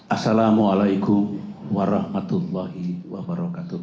assalamualaikum warahmatullahi wabarakatuh